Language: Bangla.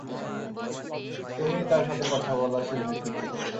তুমিই তার সাথে কথা বলা শেষ ব্যক্তি ছিলে।